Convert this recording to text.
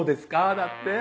だって。